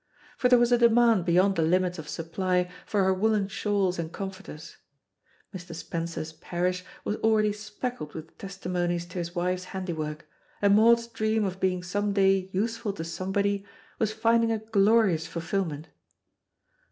For there was a demand beyond the limits of supply for her woollen shawls and comforters. Mr. Spencer's parish was already speckled with testimonies to his wife's handiwork, and Maud's dream of being some day useful to somebody was finding a glorious fulfilment.